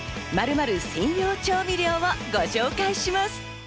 ○○専用調味料をご紹介します。